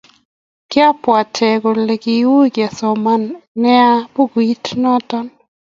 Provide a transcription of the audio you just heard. Kiabwate kole kiui kesoman nea bukuit notok